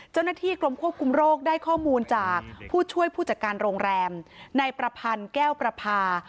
เจ้าหน้าที่กรมควบคุมโรคได้ข้อมูลจากผู้ช่วยผู้จัดการโรงแรมในประพันธ์แก้วประพา